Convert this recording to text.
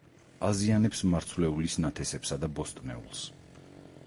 აზიანებს მარცვლეულის ნათესებსა და ბოსტნეულს.